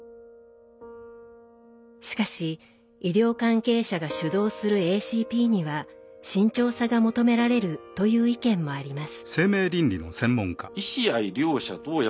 しかし医療関係者が主導するＡＣＰには慎重さが求められるという意見もあります。